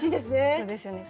そうですよね。